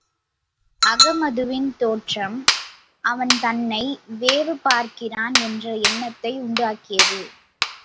அகமதுவின் தோற்றம், அவன் தன்னை வேவுபார்க்கிறான் என்ற எண்ணத்தை உண்டாக்கியது.